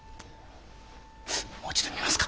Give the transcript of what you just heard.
もう一度見ますか？